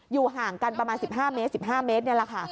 อยู่ห่างกันประมาณ๑๕เมตร๑๕เมตรนี่แหละค่ะ